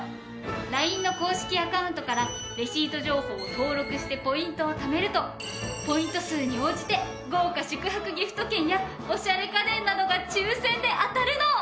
ＬＩＮＥの公式アカウントからレシート情報を登録してポイントをためるとポイント数に応じて豪華宿泊ギフト券やおしゃれ家電などが抽選で当たるの！